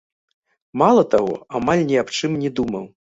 Мала таго, амаль ні аб чым не думаў.